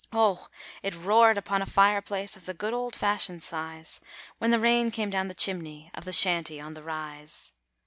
Oh! it roared upon a fireplace of the good, old fashioned size, When the rain came down the chimney of the Shanty on the Rise.